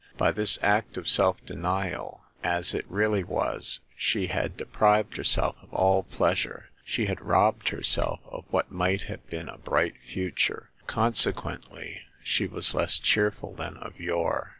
By this act of self denial, as it really was, she had de prived herself of all pleasure ; she had robbed herself of what might have been a bright future ; consequently she was less cheerful than of yore.